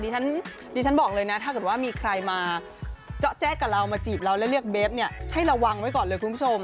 ดิฉันบอกเลยนะถ้าเกิดว่ามีใครมาเจาะแจ๊กกับเรามาจีบเราแล้วเรียกเบฟเนี่ยให้ระวังไว้ก่อนเลยคุณผู้ชม